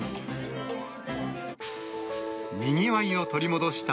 にぎわいを取り戻した